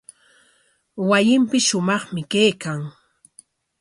Wasinpis shumaqmi kaykan.